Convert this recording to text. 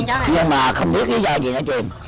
nhưng mà không biết cái do gì nó chìm